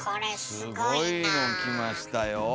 すごいのきましたよ。